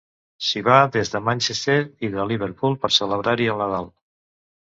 S'hi va des de Manchester i de Liverpool per celebrar-hi el Nadal.